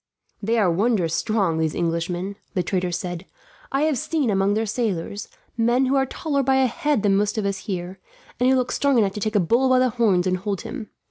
"They are wondrous strong, these Englishmen," the trader said. "I have seen, among their sailors, men who are taller by a head than most of us here, and who look strong enough to take a bull by the horns and hold him.